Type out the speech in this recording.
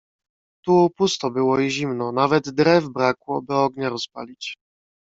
"Tu pusto było i zimno, nawet drew brakło, by ognia rozpalić."